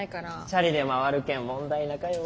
チャリで回るけん問題なかよ。